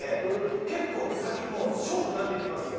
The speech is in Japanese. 結構先勝負になってきますよ。